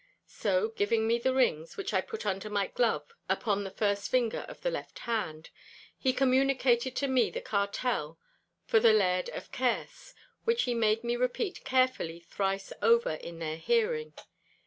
So, giving me the rings, which I put under my glove upon the first finger of the left hand, he communicated to me the cartel for the Laird of Kerse, which he made me repeat carefully thrice over in their hearing.